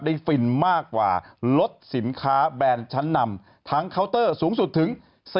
ฟินมากกว่าลดสินค้าแบรนด์ชั้นนำทั้งเคาน์เตอร์สูงสุดถึง